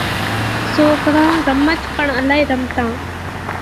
سوپڙِ رمچ پڻ الائِي رمتان۔